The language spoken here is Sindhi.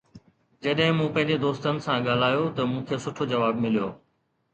جڏهن مون پنهنجي دوستن سان ڳالهايو ته مون کي سٺو جواب مليو